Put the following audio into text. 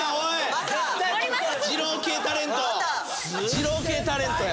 二郎系タレント！